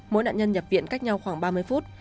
mỗi nạn nhân nhập viện cách nhau khoảng ba mươi phút